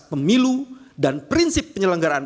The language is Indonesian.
pemilu dan prinsip penyelenggaraan